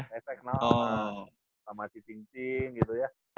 nesek kenal sama sama si cing cing gitu ya